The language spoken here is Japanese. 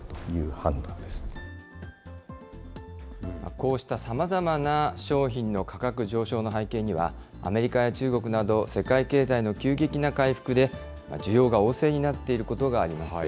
こうしたさまざまな商品の価格上昇の背景には、アメリカや中国など、世界経済の急激な回復で、需要が旺盛になっていることがあります。